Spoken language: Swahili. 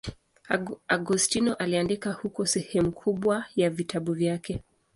Agostino aliandika huko sehemu kubwa ya vitabu vyake.